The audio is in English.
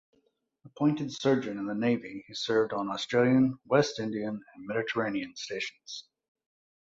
Appointed surgeon in the Navy he served on Australian, West Indian and Mediterranean stations.